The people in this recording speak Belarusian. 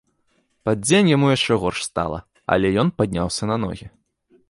Пад дзень яму яшчэ горш стала, але ён падняўся на ногі.